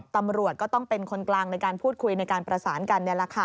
ตำรวจก็ต้องเป็นคนกลางในการพูดคุยในการประสานกัน